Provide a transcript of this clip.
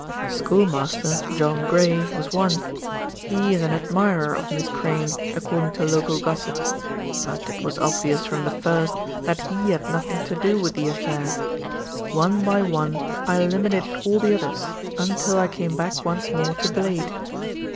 "The schoolmaster, John Gray, was one. He is an admirer of Miss Crayne, according to local gossip; but it was obvious from the first that he had nothing to do with the affair. One by one I eliminated all the others, until I came back once more to Blade.